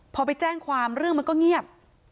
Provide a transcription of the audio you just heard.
พอไปแจ้งความเรื่องมันก็เงียบ